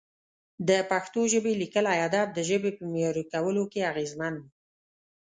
د پښتو ژبې لیکلي ادب د ژبې په معیاري کولو کې اغېزمن و.